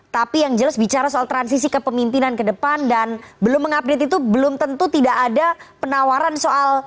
tapi yang jelas bicara soal transisi kepemimpinan ke depan dan belum mengupdate itu belum tentu tidak ada penawaran soal